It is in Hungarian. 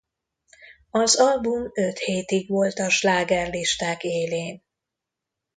Az album öt hétig volt a slágerlisták élén.